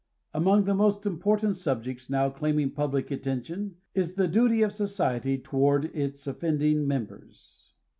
^ Among the most important subjects now claiming public attention, is the duty of society toward its offending members.